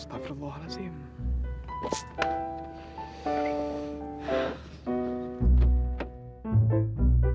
aduh lancur ini semua